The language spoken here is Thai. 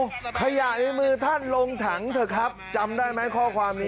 เอาขยะในมือท่านลงถังเถอะครับจำได้ไหมข้อความนี้